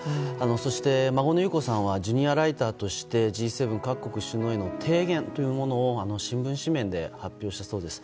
そして、孫の裕子さんはジュニアライターとしてＧ７各国首脳への提言を新聞紙面で発表したそうです。